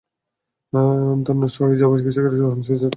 ধান নষ্ট হইয়া যাওয়ায় কৃষকেরা অহন সেচের দাম দিতে পারতাছে না।